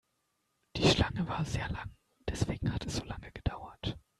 Die Schlange war sehr lang, deswegen hat es so lange gedauert.